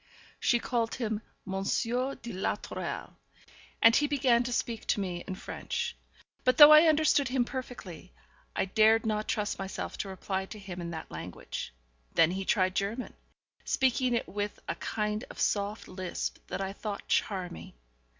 She called him Monsieur de la Tourelle, and he began to speak to me in French; but though I understood him perfectly, I dared not trust myself to reply to him in that language. Then he tried German, speaking it with a kind of soft lisp that I thought charming.